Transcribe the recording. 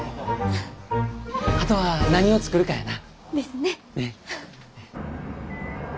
後は何を作るかやな。ですね。